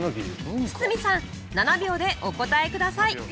堤さん７秒でお答えください